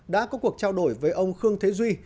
đã có cuộc trao đổi với ông khương thế duy